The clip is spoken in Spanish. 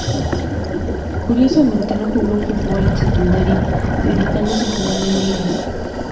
Curiosamente, no jugó fútbol en secundaria, dedicándose a jugar en ligas.